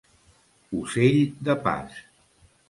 Ocell de pas.